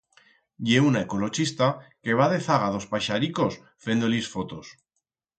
Ye una ecolochista que va dezaga d'os paixaricos fendo-lis fotos.